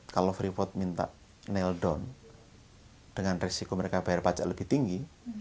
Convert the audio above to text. kalau freeport minta nail down dengan resiko mereka bayar pajak lebih tinggi